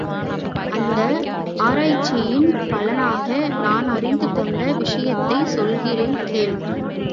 அந்த ஆராய்ச்சியின் பலனாக நான் அறிந்து கொண்ட விஷயத்தைச் சொல்கிறேன், கேள்.